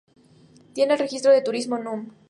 Tiene el registro de turismo Núm.